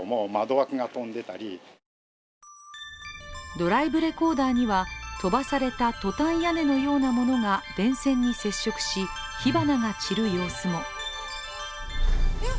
ドライブレコーダーには飛ばされたトタン屋根のようなものが電線に接触し、火花が散る様子も。